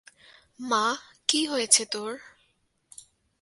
মা, কী হয়েছে তোর?